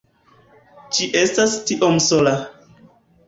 Ĝi estas tiom sola